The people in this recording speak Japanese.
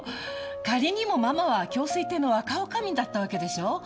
仮にもママは京粋亭の若女将だったわけでしょ？